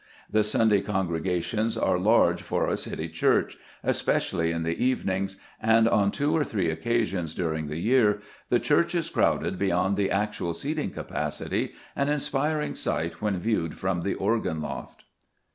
The Sunday congregations are large for a City church, especially in the evenings, and on two or three occasions during the year the church is crowded beyond the actual seating capacity an inspiring sight when viewed from the organ loft.